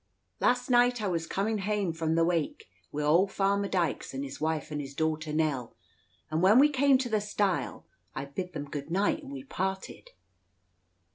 "Last night I was coming heyam from the wake, wi' auld farmer Dykes and his wife and his daughter Nell, and when we came to the stile, I bid them good night, and we parted."